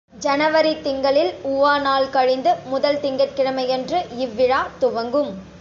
ஜனவரித் திங்களில் உவா நாள் கழிந்து, முதல் திங்கட்கிழமையன்று இவ் விழா துவங்கும்.